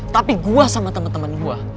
tapi gua sama temen temen gua